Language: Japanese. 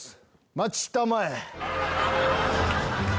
待ちたまえ。